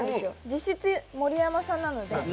実質盛山さんなので。